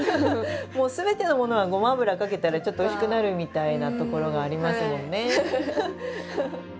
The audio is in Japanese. もうすべてのものはゴマ油かけたらちょっとおいしくなるみたいなところがありますもんね。